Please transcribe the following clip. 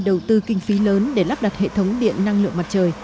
đầu tư kinh phí lớn để lắp đặt hệ thống điện năng lượng mặt trời